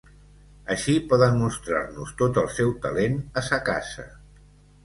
Així, poden mostrar-nos tot el seu talent a sa casa.